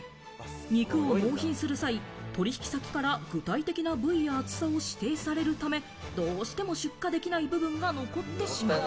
肉を納品する際、取引先から具体的な部位や厚さを指定されるため、どうしても出荷できない部分が残ってしまう。